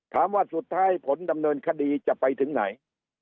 สุดท้ายผลดำเนินคดีจะไปถึงไหน